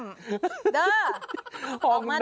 เด้อออกมาเด้อ